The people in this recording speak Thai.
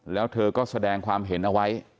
แล้วเธอก็แสดงความเห็นเอาไว้